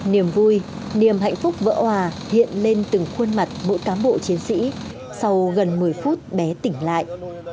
niềm vui niềm hạnh phúc vỡ hòa hiện lên từng khuôn mặt mỗi cám bộ chiến sĩ sau gần một mươi phút bé tỉnh lại